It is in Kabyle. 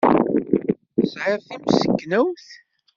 Tesɛid timseknewt?